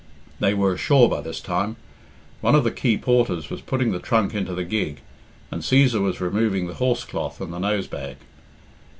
They were ashore by this time; one of the quay porters was putting the trunk into the gig, and Cæsar was removing the horse cloth and the nose bag.